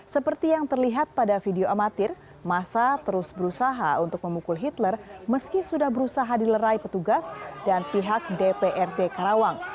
seperti yang terlihat pada video amatir masa terus berusaha untuk memukul hitler meski sudah berusaha dilerai petugas dan pihak dprd karawang